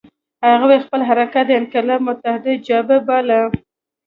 هغوی خپل حرکت د انقلاب متحده جبهه باله.